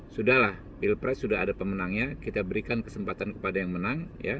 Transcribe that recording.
sudahlah pilpres sudah ada pemenangnya kita berikan kesempatan kepada yang menang